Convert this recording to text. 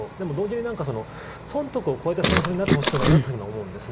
同時に損得をこえた戦争になってほしくないと思うんです。